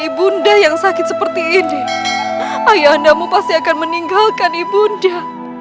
ibunda yang sakit seperti ini ayah andamu pasti akan meninggalkan ibunda